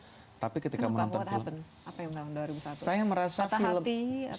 kenapa apa yang terjadi